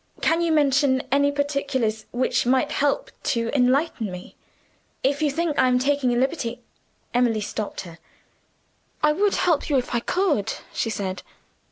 Can you mention any particulars which might help to enlighten me? If you think I am taking a liberty " Emily stopped her. "I would help you if I could," she said.